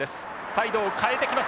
サイドを変えてきます。